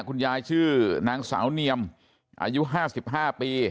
คุณยายชื่อนางสาวเนียมอายุ๕๕ปี